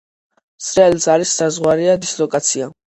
სრიალის არის საზღვარია დისლოკაცია.